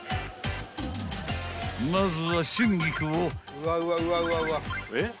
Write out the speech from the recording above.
［まずは春菊を］